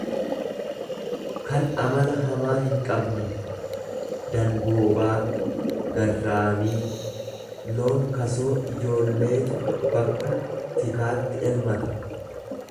kan amala hamaa hinqabne, danboobaa, garraamii; Loon kasoo ijoolleetu bakka tikaatti elmata.